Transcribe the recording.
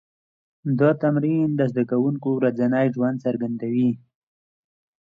دا تمرین د زده کوونکو ورځنی ژوند څرګندوي.